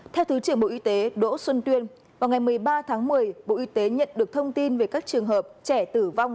theo thứ trưởng bộ y tế đỗ xuân tuyên vào ngày một mươi ba tháng một mươi bộ y tế nhận được thông tin về các trường hợp trẻ tử vong